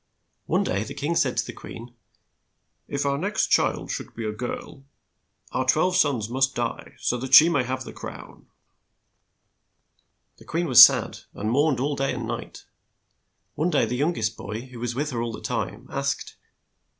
One day the king said to the queen, "If our next child should be a girl, our twelve sons must die, so that she may have the crown." The queen was sad, and mourned day and night. One day the young est boy, who was with her all the time, asked.